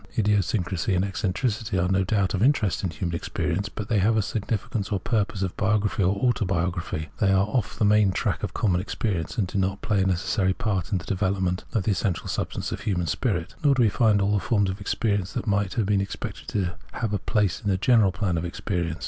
Idiosyncrasy and eccen tricity are no doubt of interest in human experience, but they have a significance for purposes of biography or autobiography ; they are off the main track of common experience, and do not play a necessary part in the development of the essential substance of the human spirit. Nor do we find all the forms of experience that might have been expected to have a place in the general plan of experience.